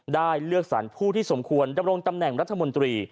ได้เลือกสรรผู้ที่สมควรดำรงตำแหน่งรัฐมนตรี